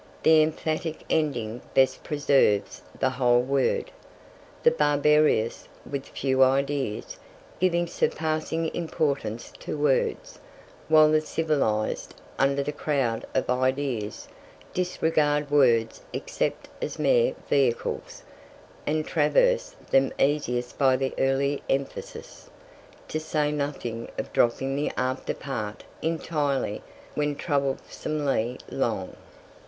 The emphatic ending best preserves the whole word. The barbarous, with few ideas, give surpassing importance to words; while the civilized, under the crowd of ideas, disregard words except as mere vehicles, and traverse them easiest by the early emphasis, to say nothing of dropping the after part entirely when troublesomely long.